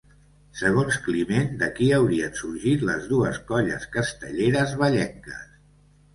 Segons Climent, d’aquí haurien sorgit les dues colles castelleres vallenques.